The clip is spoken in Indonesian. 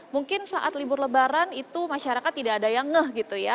mungkin saat libur lebaran itu masyarakat tidak ada yang ngeh gitu ya